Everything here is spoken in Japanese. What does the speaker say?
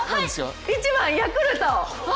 １番、ヤクルト。